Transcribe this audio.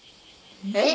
えっ？